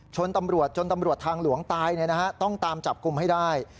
ชนตำรวจจนตำรวจทางหลวงตายต้องตามจับกลุ่มให้ได้